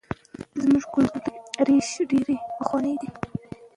زموږ کلتوري ریښې ډېرې پخوانۍ دي.